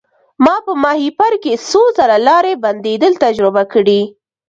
ما په ماهیپر کې څو ځله لارې بندیدل تجربه کړي.